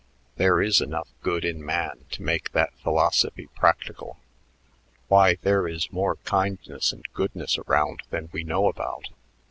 There is enough good in man to make that philosophy practical. Why, there is more kindness and goodness around than we know about.